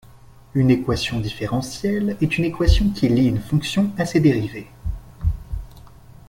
Une équation différentielle est une équation qui lie une fonction à ses dérivées.